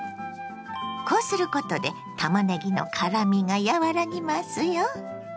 こうすることでたまねぎの辛みが和らぎますよ。